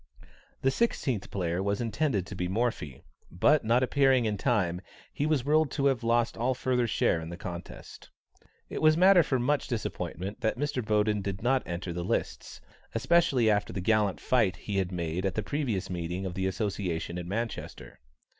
The sixteenth player was intended to be Morphy, but not appearing in time, he was ruled to have lost all further share in the contest. It was matter for much disappointment that Mr. Boden did not enter the lists, especially after the gallant fight he had made at the previous meeting of the association in Manchester.